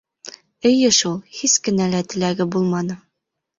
Эйе шул, һис кенә лә теләге булманы.